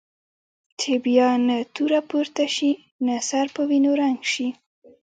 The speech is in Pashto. چې بیا نه توره پورته شي نه سر په وینو رنګ شي.